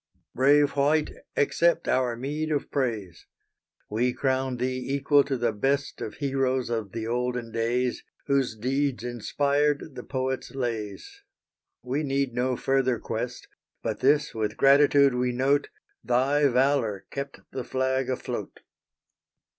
Brave White, accept our meed of praise! We crown thee equal to the best Of heroes of the olden days, Whose deeds inspired the poets' lays! We need no further quest; But this with gratitude we note, Thy valour kept the flag afloat!